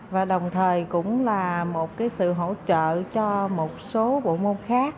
và đồng thời cũng là một sự hỗ trợ cho một số bộ môn khác